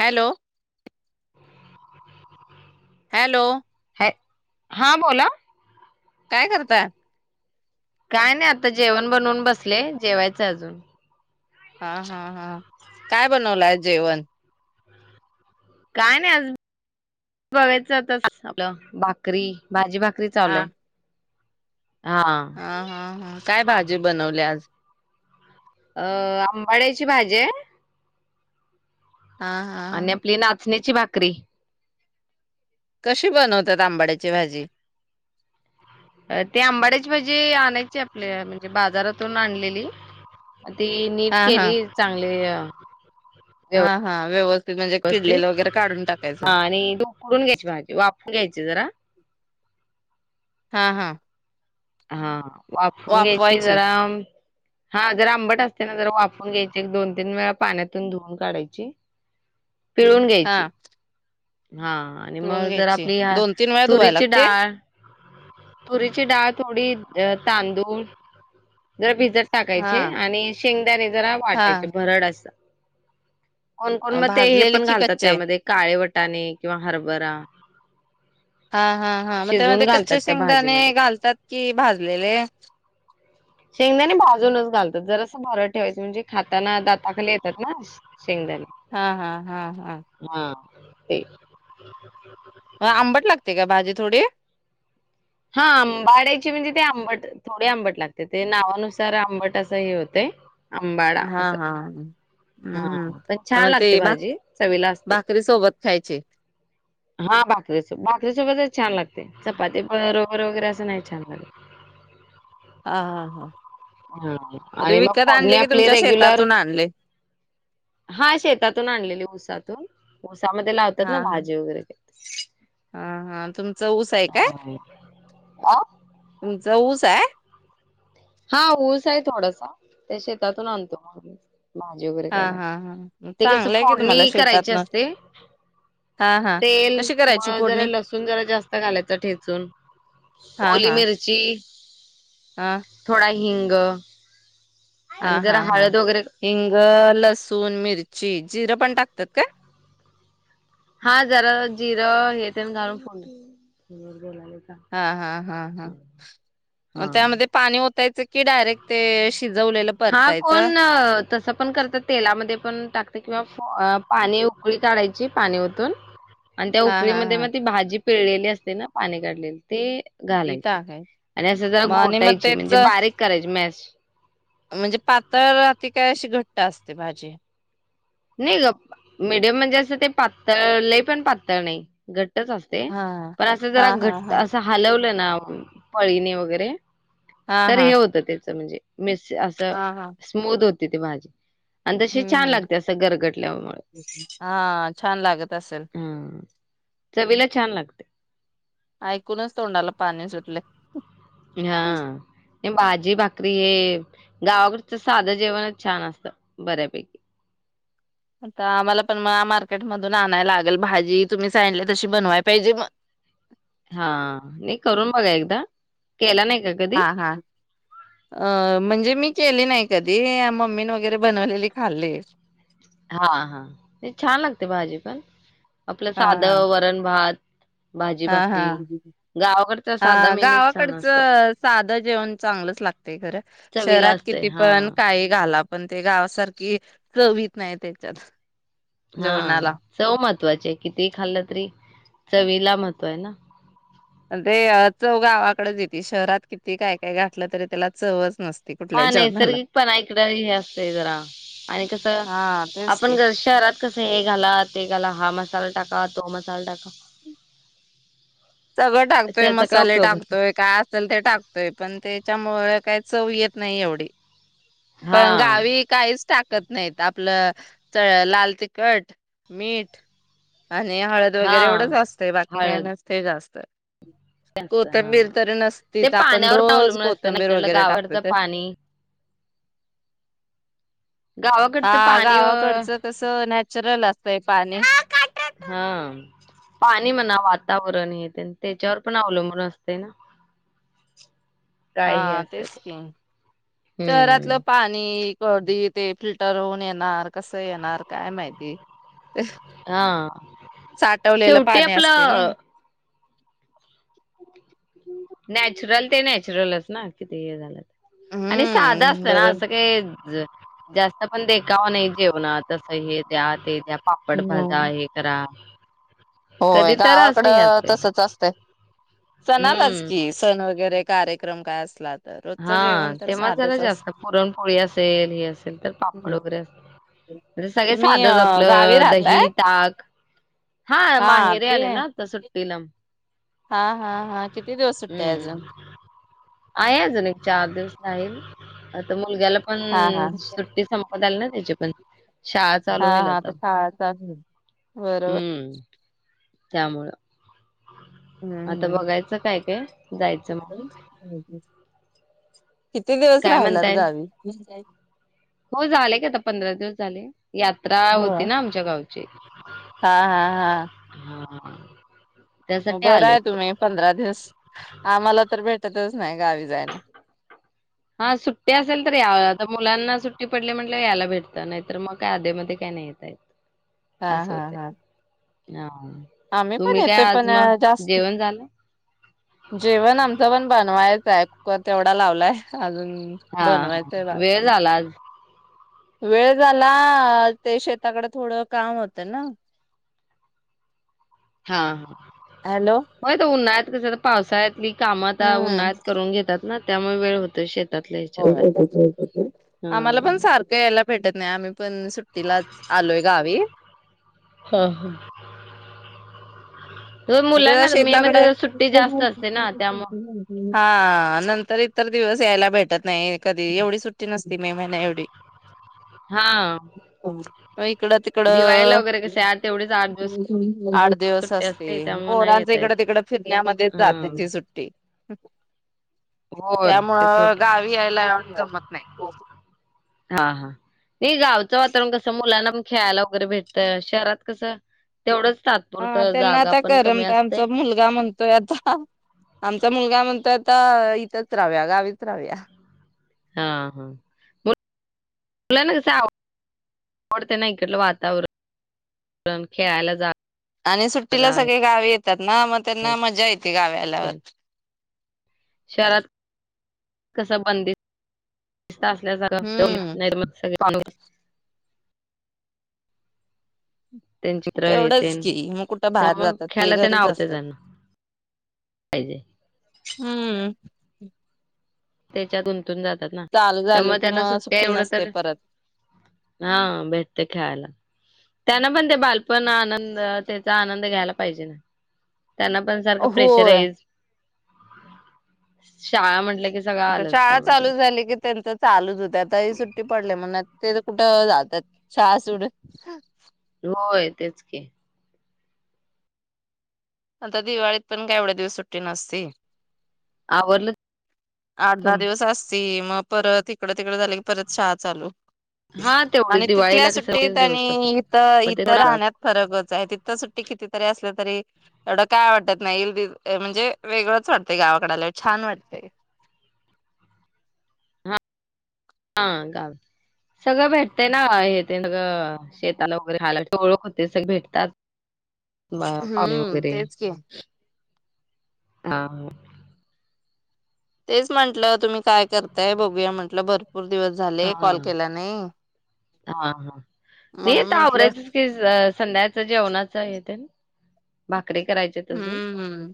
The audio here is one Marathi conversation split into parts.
हॅलो हॅलो हां बोला. काय करताय? काय नाय आता जेवण बनवून बसले जेवायचे अजून. हां हां हां काय बनवलाय आज जेवन? काय नाय अजून बघायचं आता आपलं भाकरी भाजी भाक करी चालुय. ह हा हा काय भाज ते बनवलय आज. अ आंबाड्याची भाजीय हा हा आणि हा आपली नाचणी ची भाकरी कशी बनवतात आंबाड्याची भाजी? अ ते आंबाड्याची भाजी आणायची आपल म्हणजे बाजारातून आणलेली. ती नीट हा केली चांगली अ [inaudible] हां हां व्यवस व्यवस्थित हां आणि ती उकडून घ्यायची भाजी वाफवून घ्यायची जरा. हां हां हां वाफवून घ्यायची जरा हां जरा आंबट असत्याना जरा वाफवून घ्यायची. एक दोन तीन वेळा पाण्यातून धुऊन काढायची. पिळून घ्यायची. हा हा आणि मग पिळून जर घ्यायची आपली ह दोन तीन वेळा धुवायला तुरीची लागते डाळ तुरीची डाळ थोडी तांदूळ जर भिजत हा टाकायचे आणि शेंगदाने जरा हा वाटायचे भरड अस कोणकोण म ते हे भाजलेले पण की घालतात कच्चे त्यामध्ये काळे वट वटाने किंवा हरभरा हा हा हा मग शिजवून त्यामध्ये घालतात कच्छ त्या शेंगदाणे भाजीमध्ये घालतात कि भाजलेले? शेंगदाने भाजूनच घालतात जर असं भोर ठेवायचं म्हणजे खाताना दाताखाली येतात ना. शेंगदाणे हा हा हा हा हे म आंबट लागते का भाजी थोडी? हा आंबाडायची म्हणजे ते आंबट थोडे आंबट लागते ते नावानुसार आंबट असं हे होतं अंबाडा हा अस हा हा हम्म पन छान मग लागते ते भा भाजी चवीला असते. भाकरी सोबत खायचे. हा भाकरीच भाकरी सोबतच छान लागते चपाती बरोबर वगैरे असं नाही छान लागत हा हा हा हा म ते आणि मग विकत फोडणी आणली की आपली तुमच्या रेग्युलर शेतातून आणली? हा शेतातून आणलेली ऊसातून त्यामध्ये लावतात हा ना हा. भाजी वगैरे. [inaudible] हा हा तुमचं ऊस आहे काय? हा. ऊस आहे हा ऊस आहे थोडसा ते शेतातून आणतो मग भाजी वगैरे हा काय हा लागते हा. ते कस चांगलं आहे की फोडणी तुम्हाला करायची शेतातनं असते हा हा तेल कशी करायची म जरा फोडणी लसुण जरा जास्त घालायचं ठेचून हा ओली हा मिरची [inaudible] हा थोडा हिंग हा आणि हा जरा हा हळद वगैरे हिंग, लसूण, मिरची, जिरं पण टाकतात काय हा जरा जिरं हे तेन घालून फोडनी हा हा हा हा मग हा त्यामध्ये पाणी ओतु त्याच की डायरेक्ट ते शिजवलेलं हा परतायचं कोण तसं पण करत तेलामध्ये पण टाकत किंवा पाणी उकळी काढायची पाणी वतून आणि त्या हा हा उकळीमध्ये हा. मग ती भाजी पिळलेले असते ना पाणी काढलेले ते ती घालायची टाकाय आणि असं जरा मग आणि मग घोटायची तेच म्हणजे बारीक करायची म्या [inaudible] म्हणजे पातळ अती काय अशी घट्ट असते भाजी? नाही ग मीडियम म्हणजे असं ते पातळ लय पण पातळ नाही घट घट्टच असते. हा पण अस हा जरा हा घट्ट हा अस हलवल दाबून पळीने वगैरे हा तर हा हे होतं त्याच म्हणजे मेसी अस हा हा स्मूद होत तिथे भाजी आणि तशी हम्म छान लागत हम्म. त्या आसं गरगटल्यामुळे. चल हम्म चवीला छान लागते. ऐकूनच तोंडाला पाणी सुटलय. हा भाजी भाकरी ये गावाकडचं साधं जेवणच छान असतं बऱ्यापैकी आता आम्हाला पण म मार्केट मधून आणायला लागेल भाजी तुम्ही सांगीतले तशी बनवाय पाहिजे म. हा एक करून बघा एकदा. केला नाही का कधी हा हा अ म्हणजे मी केली नाही. कधी मम्मीन वगैरे बनवलेली खाल्ली. हा हा ते छान लागते भाजी पण आपलं हा हा साधं वरण भात. भाजी हा हा भाकरी गावाकडचा साधा हा मेनूच छान असतो गावाकडचं साध जेवण चांगलंच लागतय खरं चवीला शहरात असते किती हा पण काही घाला. पण ते गावासारखी चव इत नाही त्याच्यात. हा जेवणाला. चव महत्वाची आहे कितीही खाल्लं तरी चवीला महत्व आहे ना. ते चव गावाकडेच येते शहरात किती काय काय घातलं तरी त्याला चवच नसते. हा कुठल्या जेवणाला. नैसर्गिक पणा इकड हे असतय जरा आणि कसं हा तेच की आपण जरा शहरात कसं हे घाला, ते घाला हा मसाला टाक का तो मसाला टाका. सगळं टाकतोय त्याचा काय मसाले उपयोग होत टाकतोय काय असेल ते टाकतोय पण त्याच्यामुळे काय चव येत नाही एवढी. पण हां. गावी काहीच टाक कत नाहीत आपलं च लाल तिखट, मीठ आणि हळद वगैरे एवढंच हां, असतेंय बाकी काय हळद नस जास्त आहे. ते असतं कोथंबीर हां. तरी ते नसतीच आपण पाण्यावर पण रोज अवलंबून असतं ना कोथंबीर इकडलं वगैरे टाकतोय गावाकडचं ते पाणी हा गावाकडचं पाणी अ गावाकडचं कस नॅचरल अस कसंय पाणी हा पाणी म्हणा वातावरण येत त्याच्यावर पण अवलंबून असते ना हा काय हे असं तेच ते की शहरातलं हम्म. पाणी कधी ते फिल्टर होऊन येणार कसं येणार काय माहिती? ते हा साठवलेलं शेवटी पाणी असते आपलं ना. अ नॅचरल ते नॅचरलच ना किती हे झालं. आणि साधं हम्म असतंय ना बरं असं काही ज जास्त पण देखावा नाही जेवणात तसं हे द्या ते द्या. पापड भाजा हम्म हे करा. होय कधी तर असं हे गावाकडं असते तसच असतय. सणालाच हम्म की सण वगैर काय कार्यक्रम काय असला तर रोजचं हा जेवण तर तेव्हा जरा साधच जास्त असतं. पुरणपोळी असेल हे असेल तर पापड वगैरे अस म्हणजे सगळे तुम्ही अ साधच गावी आपलं राहताय दही ताक हा माहेरी आले ना आता सुट्टी पिनम हा हा हा किती दिवस सुट्टी आहे हम्म अजून? आहे अजून एक चार दिवस राहील आता म मुलग्याला पण हा हा सुट्टी संपत आली ना. हेचे पण शाळा हा चालू होईल हा आता शाळा चालू होईल व्हय. हम्म त्यामुळं आता बघायचं काय काय जायचं एकम मग ह [inaudible] किती दिवस काय राहिल्यात म्हणताय गावी. हो झाले की आता पंधरा दिवस झाले यात्रा हो होती ना आमच्या गाव ठीक हा हा हा रिकामा ऑडिओ बरं आहे तुम्ही पंधरा दिवस आम्हाला तर भेट [unintelligible] रिकामा ऑडिओ हा सुट्टी असेल तर या जम मुलांना सुट्टी पडली म्हटलं यायला भेटत नाहीतर मग काय आधी मध्ये काही नाही येता येत. हा असं हा हा होतंय [unintelligible] आम्ही पण तुम्ही काय येतोय आज पण मग अ जास्त जेवण झालं जेवण आमचं पण बनवायच हाय. कुकर तेवढा लावलाय अजून हा बनवायचंय हा वेळ बाकी झाला आज वेळ झाला ते शेताकड थोडं काम होतं ना हा हॅलो हा [unintelligible] उन्हात ते जरा पावसाळ्यात पली कामं आता हम्म. उन्हाळ्यात करून घेतात. ना त्यामुळ वेळ होतोय शेत [unintelligible] आम्हाला पण हां. सारखं यायला भेटत नाही आम्ही पण सुट्टीलाच आलोय गावी हा मग ते शेताकडे असते ना त्यामुळे [unintelligible] हा नंतर इतर दिवस यायला भेटत नाही कधी एवढी सुट्टी नस ती मे महिन्या एवढी हा मग इकडं तिकडं तेवढीच दिवस आठ दिवस सुट्टी असते. त्यामुळे नाही पोरांचं येता येत. इकडं तिकडं फिरण्यामध्येच जाती हां. ती सुट्टी रिकामा ऑडिओ [inaudible] होय तेच होत. त्यामुळं गावी यायला जमत नाही. त्या मुलांना पण खेळायला वगैरे भेटत शहरात कसं तेवढंच हा तात्पुरतं त्यांना जागा आता पण कमी करमतय असते. आमचा मुलगा म्हणतोय आता आमचा मुलगा म्हणतोय आ आता इथंच राहूया गावीत राहूया. हा हा मुल मुलांना कसं आव आवडत ना ईकडल वातावरण वण खेळायला जा आणि जागा सुट्टीला आहे सगळे गावी येत ना म तेंना मज्जा येती गावी ते आल्यावर शहरात कस बंदी... दिस्त असल्या स ठेव हम्म. नाही मग सगळे [inaudible] [unintelligible] [inaudible] त्यांचे चित्र हे तेवढंच तेन की मग कुठं बाहेर त्यामुळे जातात ते खेळायला घरीच आवडतं असतात त्यांना पाहिजे हम्म.. ह त्याच्यातुन तून जातात ना झाले त्यामुळे की त्यांना मग सुट्ट्या सुट्टी एवढं नसते तर परत हा भेटते खेळायला त्यांना पण ते बालपण आनंद त्याचा आनंद घ्यायला पाहिजे ना त्यांना पण सारखं होय. प्रेशराईज शाळा म्हटलं की सगळं आता आलंच शाळा त्यामध्ये चालू झाली की त्यांचच.. चालूच होतं त्याताही सुट्टी पडले म्हणत.. ते त कुठं जातात शाळा सोडुन होय तेच की आता दिवाळीत पण काय एवढ्या दिवस सुट्टी नसती.... आवरलं आठ दहा तुम दिवस असती. म परत इकडं तिकडं झालं की परत शाळा चालू हा तेवढीच आणि तिथल्या दिवाळीला कसं सुट्टीत तेच दिवस आणि असतात इथं - मग ते इथं थोडा राहण्यात फरकच आहे तिथ सुट्टी कितीतरी असल्यात.. तर ए एवढं काय वाटत नाही येईलदीज ए म्हणजे वेगळंच वाटतेय गावाकड आल्या छान वाटतेय हा गावी सगळं भेटतंय ना हे ते सगळं शेताला वगैरे [inaudible] ओळख होते सग भेटतात बाया पाणी हम्म वगैरे तेच की. हा तेच म्हंटलं तुम्ही काय करताय बघूया म्हटलं बरं.... हा हा हा हा नही म्हणून आत्ता म्हंटलं आवरायचंच की ज अ संध्या च जेवणाच येतन बा हम्म -हम्म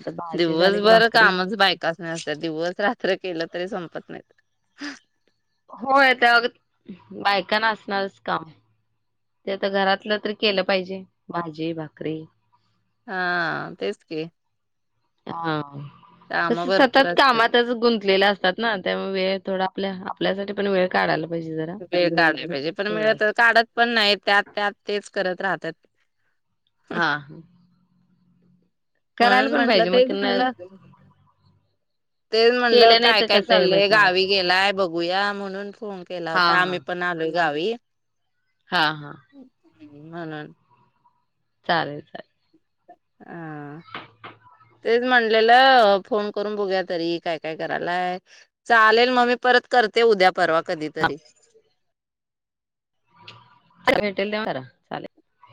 आता भाजी झाली की दिवसभरं भाकरी कामच बायकास्नी असत्यात दिवस रात्र केलं तरी संपत नाहीत... हा होय ते अग [inaudible] बायकांना असणारच काम ते तर घरातलं तरी केलं पाहिजे भाजी भाकरी.. हा तेच की.. हा [inaudible] काम कसं भरपूर सतत असतात. कामातच गुंतलेला असतात ना त्यामुळ वेळ थोडा आपल्या आपल्यासाठी पण वेळ काढायला..... पाहिजे जरा वेळ काढायला पाहिजे पण वेळ तर थोडासा काढत पण नाहीत त्यात त्यात तेच करत राहतात. हा करायला म्हणून पण म्हंटलं पाहिजे तेच मग न म्हणलं तेच म्हणलं केलं नाही काय तर काय कसं हे चाललंय भेटणार गावी गेलाय बघू. [unintelligible] म्हणून फोन केला हा होता हा आम्ही पण आलोय. गावी हा हा म्हणून चालेल चालेल हा तेच म्हणलेलं फोन करून बघुया तरी काय काय करायलाय, चालेल मग मी परत करते उद्या परवा कधी तरी भेटेल तेव्हा करा चालेल.